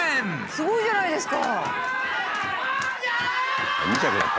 すごいじゃないですか！